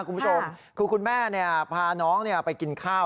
คุณผู้ชมคือคุณแม่พาน้องไปกินข้าว